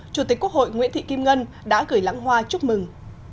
chủ tịch quốc hội nguyễn thị kim ngân đã gửi lãng hoa chúc mừng